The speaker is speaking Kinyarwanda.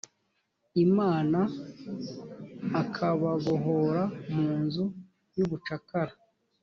imana akababohora mu nzu y’ubucakara